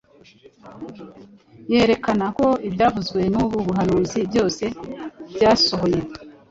yerekana ko ibyavuzwe n’ubu buhanuzi byose byasohoye.